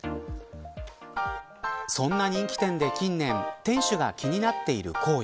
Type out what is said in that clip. そんな人気店で近年店主が気になっている行為